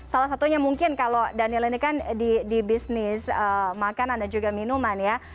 salah satunya mungkin kalau daniel ini kan di bisnis makanan dan juga minuman ya